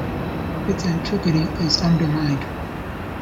Its antiquity is undetermined.